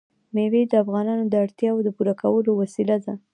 مېوې د افغانانو د اړتیاوو د پوره کولو وسیله ده.